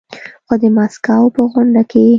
خو د ماسکو په غونډه کې